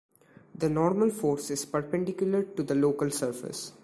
The normal force is perpendicular to the local surface.